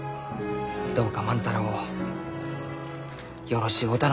どうか万太郎をよろしゅうお頼申します。